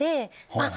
あっ！